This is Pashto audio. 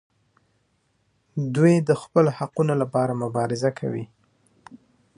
دوی د خپلو حقونو لپاره مبارزه کوي.